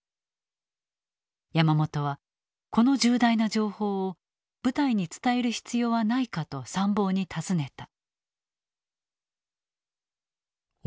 山本はこの重大な情報を部隊に伝える必要はないかと参謀に尋ねた。